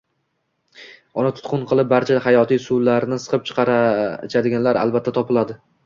uni tutqun qilib, barcha hayotiy suvlarini siqib ichadiganlar albatta topiladi.